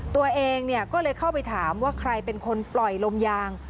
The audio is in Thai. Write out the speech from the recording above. ตัวเองก็เลยเข้าไปถามว่าใครเป็นคนปล่อยลมยาง